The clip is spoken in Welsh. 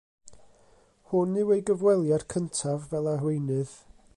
Hwn yw ei gyfweliad cyntaf fel arweinydd.